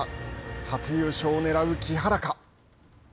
初優勝をねらう木原か。